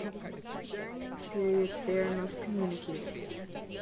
During those periods they are most communicative.